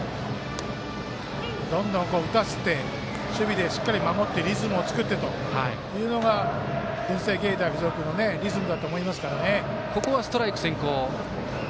どんどん打たせて守備でしっかり守ってリズムを作ってというのが文星芸大付属のリズムだと思いますからね。